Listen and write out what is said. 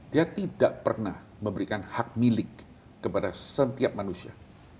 dia tidak pernah memberikan hak milik kepada setiap manusia